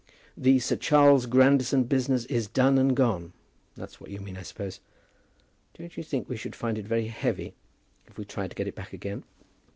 "The Sir Charles Grandison business is done and gone. That's what you mean, I suppose? Don't you think we should find it very heavy if we tried to get it back again?"